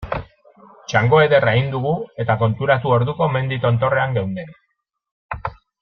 Txango ederra egin dugu eta konturatu orduko mendi tontorrean geunden.